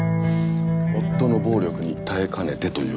夫の暴力に耐えかねてという事ですか？